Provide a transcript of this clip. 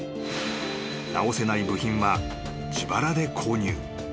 ［直せない部品は自腹で購入］